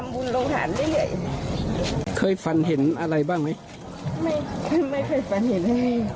ทำบุญโรงศาลได้เลยเคยฟันเห็นอะไรบ้างไหมไม่ไม่ไม่เคยฟันเห็นอะไร